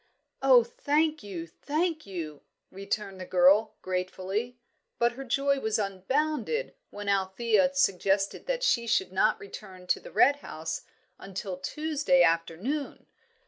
"Oh, thank you, thank you," returned the girl, gratefully. But her joy was unbounded when Althea suggested that she should not return to the Red House until Tuesday afternoon.